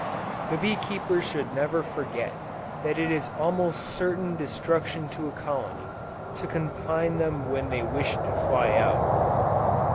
The bee keeper should never forget that it is almost certain destruction to a colony, to confine them when they wish to fly out.